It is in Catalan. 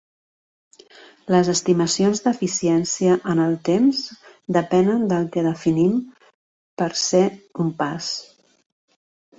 Les estimacions d'eficiència en el temps depenen del que definim per ser un pas.